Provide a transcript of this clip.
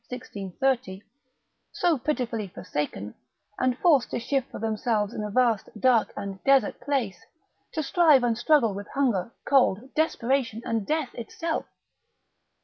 1630, so pitifully forsaken, and forced to shift for themselves in a vast, dark, and desert place, to strive and struggle with hunger, cold, desperation, and death itself.